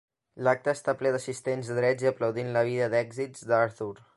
L'acte està ple d'assistents drets i aplaudint la vida d'èxits d'Arthur.